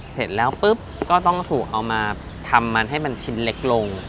เสร็จแล้วปุ๊บก็ต้องถูกเอามาทำมันให้มันชิ้นเล็กลง